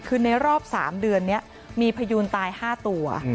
คือในรอบ๓เดือนนี้มีพยูนตาย๕ตัว